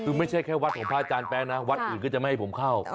คือไม่ใช่แค่วัดของพระอาจารย์แป๊ะนะวัดอื่นก็จะไม่ให้ผมเข้า